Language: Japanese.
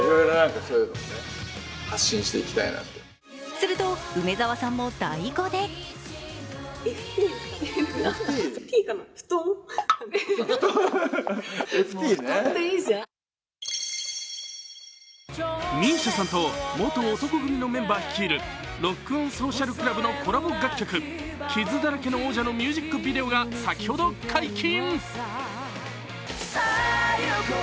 すると、梅澤さんもＤＡＩ語でＭＩＳＩＡさんと元男闘呼組のメンバー率いるＲｏｃｋｏｎＳｏｃｉａｌＣｌｕｂのコラボ楽曲、「傷だらけの王者」のミュージックビデオが先ほど解禁。